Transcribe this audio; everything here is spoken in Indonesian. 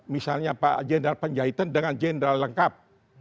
misalnya pak jenderal penjahitan dengan jenderal lengkap